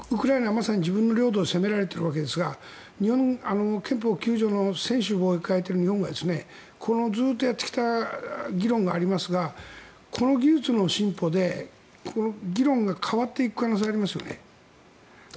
まさに今自分の領土を攻められているわけですが憲法９条の専守防衛を掲げている日本がずっとやってきた議論がありますがこの技術の進歩で議論が変わっていく可能性がありますよね。